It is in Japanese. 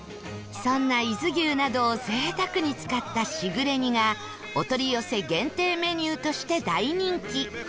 そんな伊豆牛などを贅沢に使ったしぐれ煮がお取り寄せ限定メニューとして大人気